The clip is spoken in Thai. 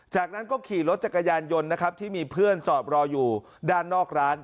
จากนั้นก็ขี่รถจักรยานยนต์นะครับที่มีเพื่อนจอดรออยู่ด้านนอกร้าน